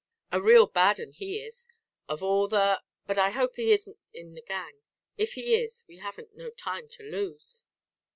A real bad 'un he is; of all the.... But I hope he isn't in the gang. If he is, we haven't no time to lose."